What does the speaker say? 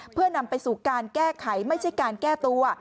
เพื่อนำไปสู่การแก้ไขไม่ใช่การแก้ตัว